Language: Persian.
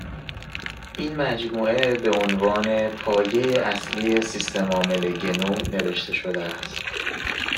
این مجموعه به عنوان پایهٔ اصلی سیستمعامل گنو نوشته شده